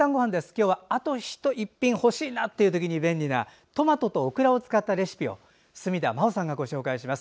今日は、あと一品欲しいなという時に便利なトマトとオクラを使ったレシピを角田真秀さんがご紹介します。